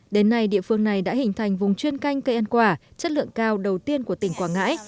đến nay địa phương này đã hình thành vùng chuyên canh cây ăn quả chất lượng cao đầu tiên của tỉnh quảng ngãi